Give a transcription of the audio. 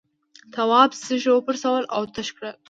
تواب سږي وپرسول او تش کړل.